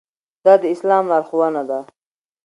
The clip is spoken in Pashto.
دا د اسلام لارښوونه ده.